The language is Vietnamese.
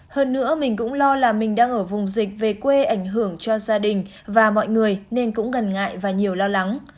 hơn nữa mình cũng lo là mình đang ở vùng dịch về quê ảnh hưởng cho gia đình và mọi người nên cũng ngần ngại và nhiều lo lắng